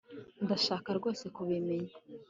Ndashaka rwose kubimenya